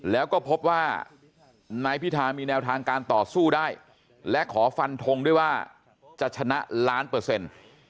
แล้วก็พบว่านายพิธามีแนวทางการต่อสู้ได้และขอฟันทงด้วยว่าจะชนะล้านเปอร์เซ็นต์